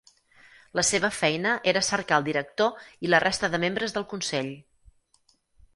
La seva feina era cercar el director i la resta de membres del consell.